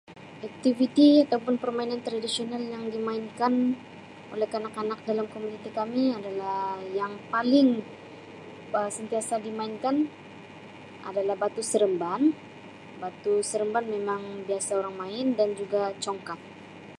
Aktiviti ataupun permainan tradisional yang dimainkan oleh kanak-kanak dalam komuniti kami adalah yang paling Um sentiasa dimainkan adalah batu seremban, batu seremban memang biasa orang main dan juga congkak.